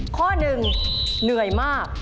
ข้อหนึ่งเหนื่อยมาก